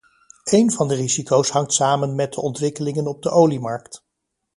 Een van de risico’s hangt samen met de ontwikkelingen op de oliemarkt.